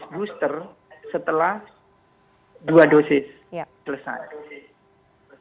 booster setelah dua dosis selesai